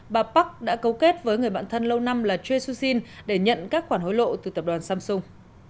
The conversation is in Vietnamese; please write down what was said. bà park đã cấu kết với người bạn thân lâu năm là choi soo jin để nhận các khoản hối lộ từ tập đoàn samsung